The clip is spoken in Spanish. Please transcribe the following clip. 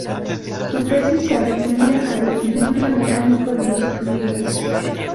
Su tesis se refería al equilibrio mecánico de los fluidos.